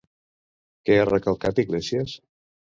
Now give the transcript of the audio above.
Què ha recalcat Iglesias?